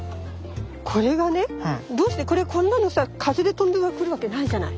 これがねどうしてこれこんなのさ風で飛んでくるわけないじゃない。